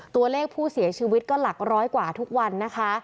ตัวเลขผู้เสียชีวิตก็หลักร้อยกว่าทุกวันนะคะ